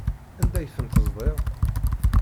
Anda ay ten-teẓḍiḍ?